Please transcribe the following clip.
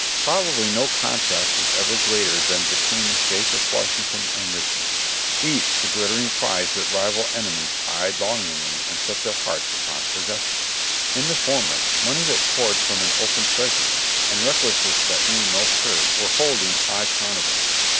Probably no contrast was ever greater than between the cities of Washington and Richmond — each the glit tering prize that rival armies eyed longingly and set their hearts upon possessing. In the former, money that poured from an open Treasury — and recklessness that knew no curb, were holding high carnival.